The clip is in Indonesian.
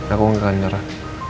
aku enggak akan menyerah